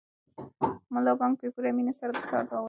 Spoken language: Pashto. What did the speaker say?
ملا بانګ په پوره مینه سره د سهار دعا ولوسته.